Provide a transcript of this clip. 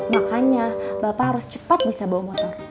makanya bapak harus cepat bisa bawa motor